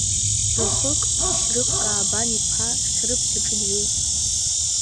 Уахык, Шьрыф Каабан-иԥа Хьрыԥс иҿы дҩеит.